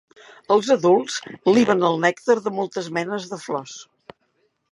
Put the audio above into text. Els adults liben el nèctar de moltes menes de flors.